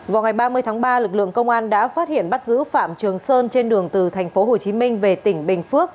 vào ngày ba mươi tháng ba lực lượng công an đã phát hiện bắt giữ phạm trường sơn trên đường từ tp hcm về tỉnh bình phước